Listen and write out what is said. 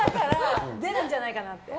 出るんじゃないかなって。